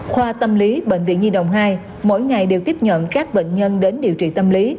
khoa tâm lý bệnh viện nhi đồng hai mỗi ngày đều tiếp nhận các bệnh nhân đến điều trị tâm lý